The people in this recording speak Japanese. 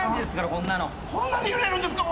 こんなに揺れるんですか？